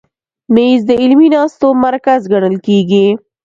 مېز د علمي ناستو مرکز ګڼل کېږي.